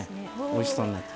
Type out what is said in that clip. おいしそうになって。